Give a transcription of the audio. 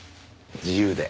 自由で。